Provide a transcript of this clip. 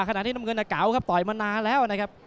ขณะที่น้ำเงินเก๋าต่อยมานานแล้วนะครับ